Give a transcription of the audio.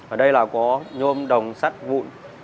ở đây là có nhôm đồng sắt vụn